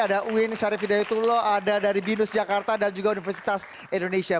ada uin syarif hidayatullah ada dari binus jakarta dan juga universitas indonesia